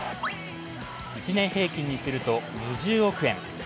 １年平均にすると２０億円。